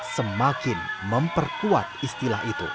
semakin memperkuat istilah itu